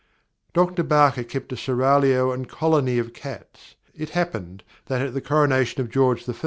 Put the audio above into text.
"'" "Dr. Barker kept a Seraglio and Colony of Cats. It happened, that at the Coronation of George I.